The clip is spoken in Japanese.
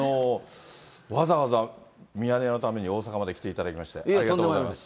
わざわざミヤネ屋のために大阪まで来ていただきまして、ありがとうございます。